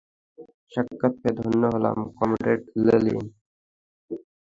সাক্ষাৎ পেয়ে ধন্য হলাম, কমরেড লেনিন।